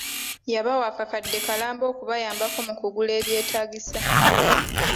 Yabawa akakadde kalamba okubayambako mukugula ebyetagisa.